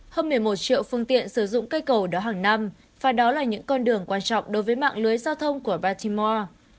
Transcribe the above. hơn một mươi một triệu phương tiện sử dụng cây cầu đó hàng năm và đó là những con đường quan trọng đối với mạng lưới giao thông của batimore